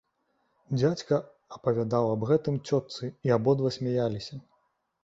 Дзядзька апавядаў аб гэтым цётцы, і абодва смяяліся.